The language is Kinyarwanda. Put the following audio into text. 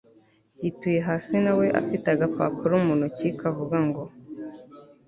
yituye hasi nawe afite agapapuro muntoki kavuga ngo